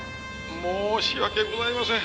「申し訳ございません。